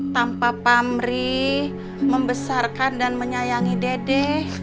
tanpa pamrih membesarkan dan menyayangi dede